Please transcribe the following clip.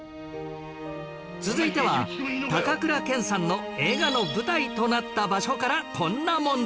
続いては高倉健さんの映画の舞台となった場所からこんな問題です